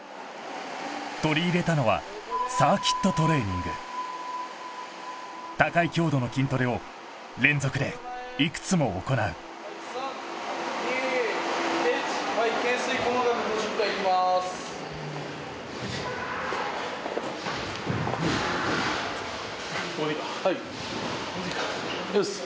取り入れたのはサーキットトレーニング高い強度の筋トレを連続でいくつも行う・はい３２１はいここでいいか・はいここでいいかいきます